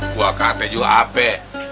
gua kate juga ape